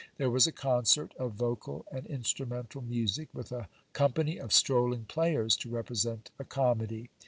There was a concert of vocal and instrumental music, with a company of strolling players, to represent a comedy.